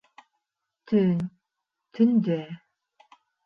Төн, төндә